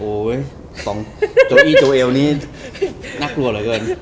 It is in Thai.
โอ้ยโจอี้โจเอลนี่น่ากลัวเหรอเกิน